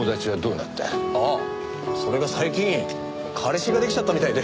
ああそれが最近彼氏ができちゃったみたいで。